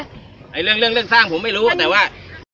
เรื่องเรื่องสร้างผมไม่รู้แต่ว่า